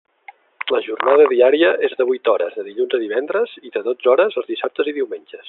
La jornada diària és de vuit hores de dilluns a divendres i de dotze hores els dissabtes i diumenges.